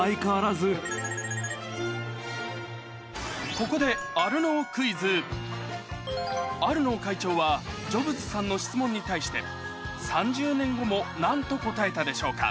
ここでアルノー会長はジョブズさんの質問に対して３０年後も何と答えたでしょうか？